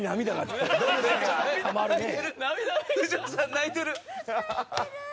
泣いてる。